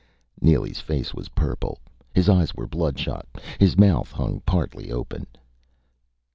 Haw haw!" Neely's face was purple. His eyes were bloodshot. His mouth hung partly open.